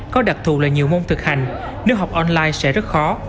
có đặc thù là nhiều môn thực hành nếu học online sẽ rất khó